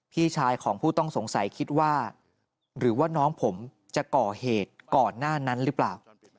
พี่ชายของผู้ต้องสงสัยคิดว่าหรือว่าน้องผมจะก่อเหตุก่อนหน้านั้นหรือเปล่า